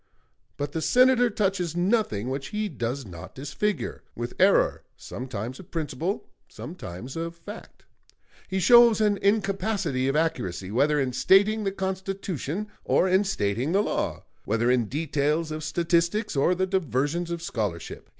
But the Senator touches nothing which he does not disfigure with error, sometimes of principle, sometimes of fact. He shows an incapacity of accuracy, whether in stating the Constitution or in stating the law, whether in details of statistics or the diversions of scholarship.